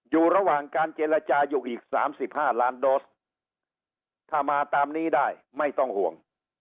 อยู่ระหว่างการเจรจาอยู่อีก๓๕ล้านโดสถ้ามาตามนี้ได้ไม่ต้องห่วง